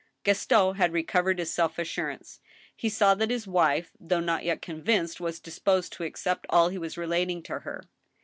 Gaston had recovered his self assurance. He saw that his wife, though not yet cqnvinced, was disposed to accept all he was relating to her.